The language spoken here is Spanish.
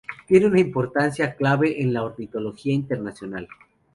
Tiene una importancia clave en la ornitología internacional.